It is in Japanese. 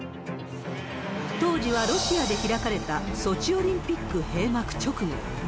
当時はロシアで開かれたソチオリンピック閉幕直後。